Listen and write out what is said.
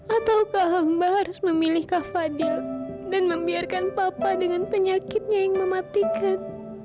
ataukah hamba harus memilih kavada dan membiarkan papa dengan penyakitnya yang mematikan